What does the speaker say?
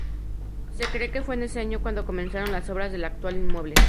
Se cree que fue en ese año cuando comenzaron las obras del actual inmueble.